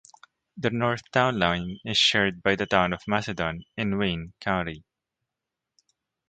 The north town line is shared by the town of Macedon in Wayne, County.